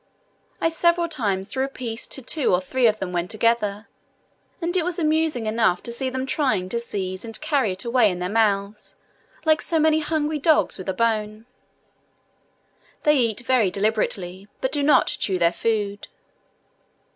I several times threw a piece to two or three of them when together; and it was amusing enough to see them trying to seize and carry it away in their mouths, like so many hungry dogs with a bone. They eat very deliberately, but do not chew their food.